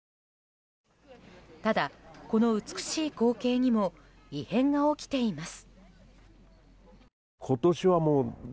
ただ、この美しい光景にも異変が起きています。